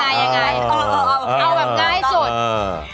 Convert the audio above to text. เอาแบบง่ายสุด